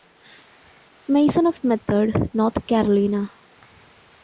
Mason of Method, North Carolina.